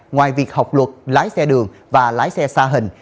ngoài việc học luật lái xe đường và lái xe xa hình